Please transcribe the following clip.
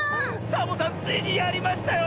サボさんついにやりましたよ！